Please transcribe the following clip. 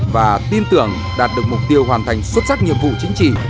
và tin tưởng đạt được mục tiêu hoàn thành xuất sắc nhiệm vụ chính trị